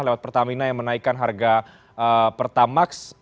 lewat pertamina yang menaikkan harga pertamax